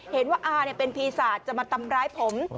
เห็นว่าอาเป็นพีซาตรจะมาตำร้ายผม